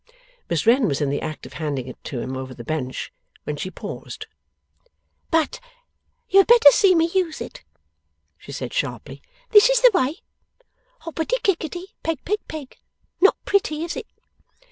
Miss Wren was in the act of handing it to him over her bench, when she paused. 'But you had better see me use it,' she said, sharply. 'This is the way. Hoppetty, Kicketty, Pep peg peg. Not pretty; is it?